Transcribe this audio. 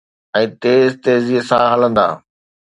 ۽ تير تيزيءَ سان هلندا.